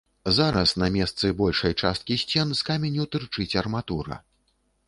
Зараз на месцы большай часткі сцен з каменю тырчыць арматура.